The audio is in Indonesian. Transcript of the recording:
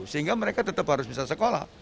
sehingga mereka tetap harus bisa sekolah